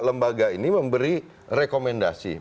lembaga ini memberi rekomendasi